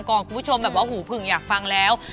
คุณผู้ชมแบบว่าหูผึ่งอยากฟังแล้ว